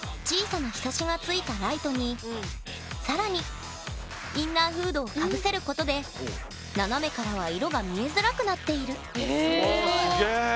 小さなひさしがついたライトに更にインナーフードをかぶせることで斜めからは色が見えづらくなっている。